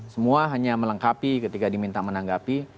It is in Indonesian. semua hanya melengkapi ketika diminta menanggapi